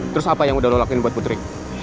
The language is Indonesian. terus apa yang udah lo lakuin buat putri